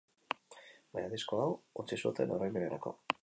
Baina disko hau utzi zuten oroimenerako.